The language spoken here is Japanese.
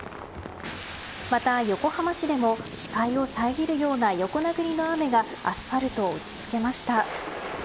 また、横浜市でも視界を遮るような横殴りの雨がアスファルトを打ち付けました。